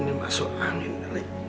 ini masuk angin alik